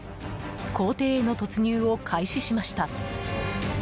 公邸への突入を開始しました。